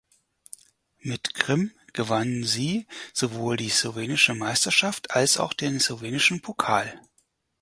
Mit Krim gewann sie sowohl die slowenische Meisterschaft als auch den slowenischen Pokal.